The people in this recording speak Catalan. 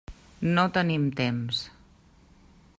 No tenim temps.